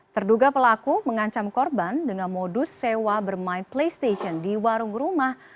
terduga pelaku mengancam korban dengan modus sewa bermain playstation di warung rumah